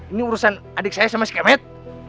ini urusan adik saya sama si kemet